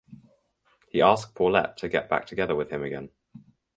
He ask Paulette to get back together with him again.